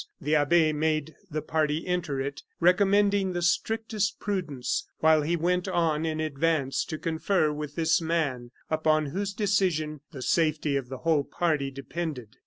The abbe made the party enter it, recommending the strictest prudence, while he went on in advance to confer with this man, upon whose decision the safety of the whole party depended.